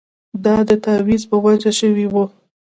دا د تاویز په وجه شوې وه.